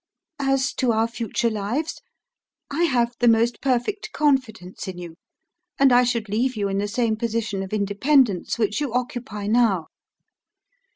"As to our future lives, I have the most perfect confidence in you, and I should leave you in the same position of independence which you occupy now.